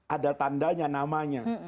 ada tandanya namanya